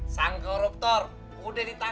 jangan luar biasa